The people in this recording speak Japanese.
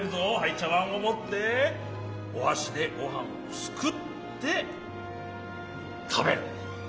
ちゃわんをもっておはしでごはんをすくってたべる。